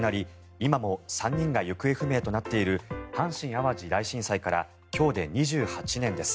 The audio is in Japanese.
今も３人が行方不明となっている阪神・淡路大震災から今日で２８年です。